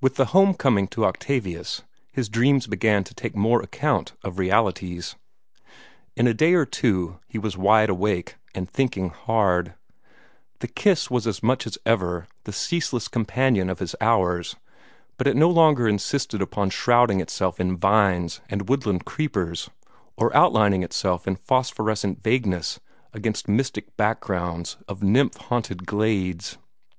With the homecoming to Octavius, his dreams began to take more account of realities. In a day or two he was wide awake, and thinking hard. The kiss was as much as ever the ceaseless companion of his hours, but it no longer insisted upon shrouding itself in vines and woodland creepers, or outlining itself in phosphorescent vagueness against mystic backgrounds of nymph haunted glades.